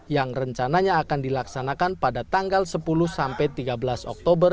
yang rencananya akan dilaksanakan pada tanggal sepuluh tiga belas oktober dua ribu tujuh belas